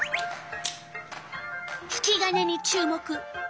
引き金に注目。